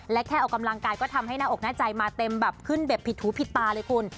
และแค่ออกกำลังกายก็ทำให้หน้าอกหน้าใจมาเต็มแบบขึ้นแบบผิดหูผิดตาเลยคุณ